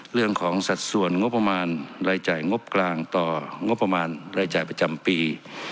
สัดส่วนงบประมาณรายจ่ายงบกลางต่องบประมาณรายจ่ายประจำปี